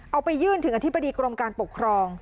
เอาไปยื่นถึงอธิบดีกรมการปกครอง